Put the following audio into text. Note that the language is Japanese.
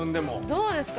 どうですか？